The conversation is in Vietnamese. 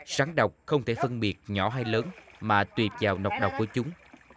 rắn độc không thể phân biệt nhỏ hay lớn mà tuyệt vào độc độc của chúng